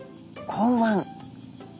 口腕。